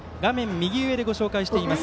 右上でご紹介しています